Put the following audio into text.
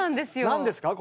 何ですか？